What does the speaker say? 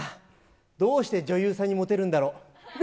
どうして女優さんにもてるんだろう。